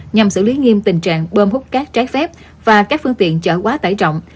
nhằm xử lý nghiêm tình trạng bơm hút cát trái phép và các phương tiện chở quá tải trọng